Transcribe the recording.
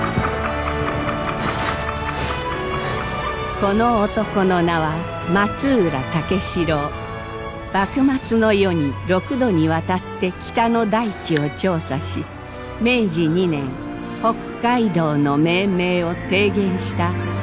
この男の名は幕末の世に６度にわたって北の大地を調査し明治２年「北海道」の命名を提言したその人である。